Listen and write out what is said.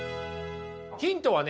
ヒントはね